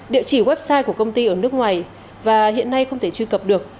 địa chỉ website của công ty ở nước ngoài và hiện nay không thể truy cập được